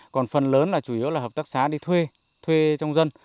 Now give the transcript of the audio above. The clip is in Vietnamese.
còn phần lớn là chủ yếu là hợp tác xã đi thuê thuê trong dân